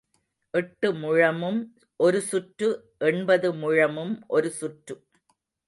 எட்டு முழமும் ஒரு சுற்று எண்பது முழமும் ஒரு சுற்று.